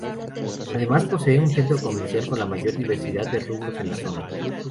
Además posee un centro comercial con la mayor diversidad de rubros en la zona.